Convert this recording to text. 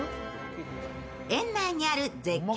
園内にある絶景